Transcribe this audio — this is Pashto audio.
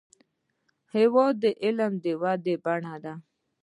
هېواد د علم د ودې بڼه ده.